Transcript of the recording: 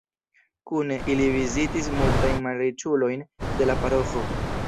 Kune, ili vizitis multajn malriĉulojn de la paroĥo.